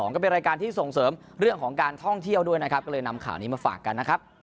ก็เลยนำข่าวนี้มาฝากกันนะครับ